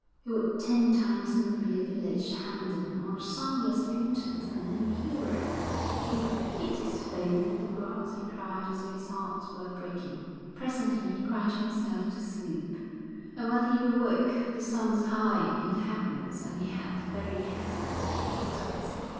he would ten times sooner be a village Hampden or a songless Milton than any hero! He hid his face in the grass and cried as if his heart were breaking. Presently he cried himself to sleep, and when he awoke the sun was high in the heavens and he had the very healthiest of appetites.